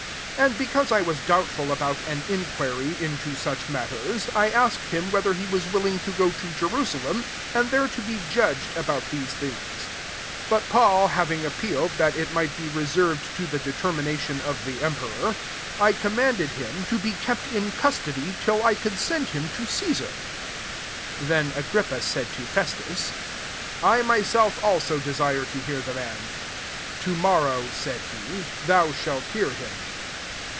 20 And because I was doubtful about an inquiry ime such matters, 1 asked hlfla whether he was witling to go to Jerusalem, and there to be judged about these things, tf But Paul having i^ealed, that it might be reserved to the de termination of the Bmperer, I commanded him to be kq>t in \ ACTS XXVI. U5 mMtf till I could send him o Cesar." 22 Then Agrippa laid to Festus, << I myself also k»re to hear the man." ^ To nG^rrowy" said he, « thou shalt lear him."